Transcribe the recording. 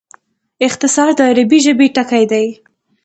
اختصار د عربي ژبي ټکی دﺉ.